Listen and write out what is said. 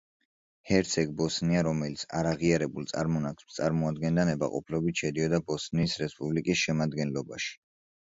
ჰერცეგ–ბოსნია, რომელიც არაღიარებულ წარმონაქმნს წარმოადგენდა, ნებაყოფლობით შედიოდა ბოსნიის რესპუბლიკის შემადგენლობაში.